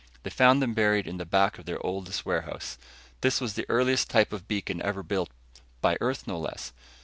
They found them buried in the back of their oldest warehouse. This was the earliest type of beacon ever built by Earth, no less.